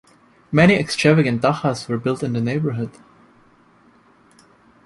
Many extravagant dachas were built in the neighbourhood.